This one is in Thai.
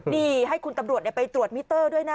นี่ให้คุณตำรวจไปตรวจมิเตอร์ด้วยนะ